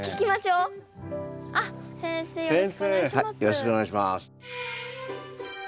よろしくお願いします。